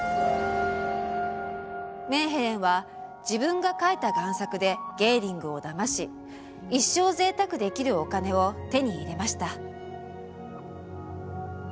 メーヘレンは自分が描いた贋作でゲーリングをだまし一生ぜいたくできるお金を手に入れました。